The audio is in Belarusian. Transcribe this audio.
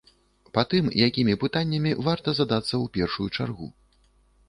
Па тым, якімі пытаннямі варта задацца ў першую чаргу.